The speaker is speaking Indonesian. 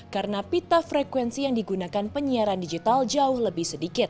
karena pita frekuensi yang digunakan penyiaran digital jauh lebih sedikit